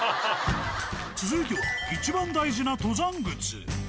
続いては、一番大事な登山靴。